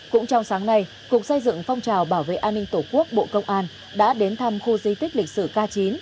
cũng trong sáng nay cục xây dựng phong trào bảo vệ an ninh tổ quốc bộ công an đã đến thăm khu di tích lịch sử k chín